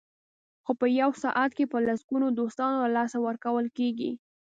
خو په یو ساعت کې په لسګونو دوستان له لاسه ورکول کېږي.